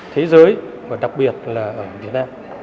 thế giới và đặc biệt là ở việt nam